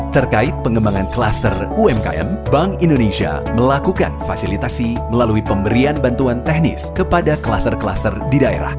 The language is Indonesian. terkait pengembangan kluster umkm bank indonesia melakukan fasilitasi melalui pemberian bantuan teknis kepada kluster kluster di daerah